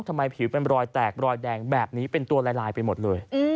ทำไมผิวเป็นรอยแตกรอยแดงแบบนี้เป็นตัวลายไปหมดเลย